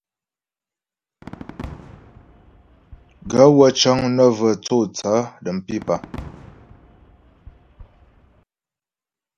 Gaə̌ wə́ cə́ŋ nə́ və tsô tsaə̌ də̀m pípà.